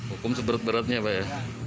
hukum seberat beratnya pak ya